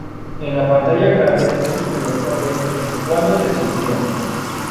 En la pantalla grande hizo su primer papel en "¿Cuándo te suicidas?